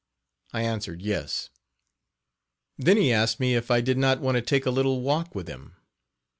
I answered, yes. Then he asked me if I did not want to take a little walk with him.